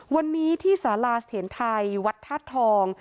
วันนี้ที่สาราเสถียรไทยวัดธาตุทอง